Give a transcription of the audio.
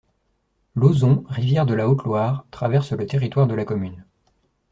L'Auzon, rivière de la Haute-Loire, traverse le territoire de la commune.